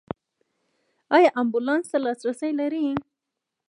ایا امبولانس ته لاسرسی لرئ؟